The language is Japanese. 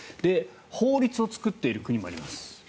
法律を作っている国もあります。